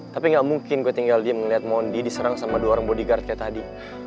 tapi gak mungkin gue tinggal diam ngeliat mondi diserang sama dua orang bodega kayak tadi